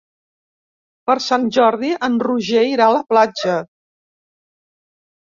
Per Sant Jordi en Roger irà a la platja.